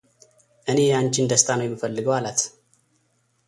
እኔ ያንቺን ደስታ ነው የምፈልገው አላት፡፡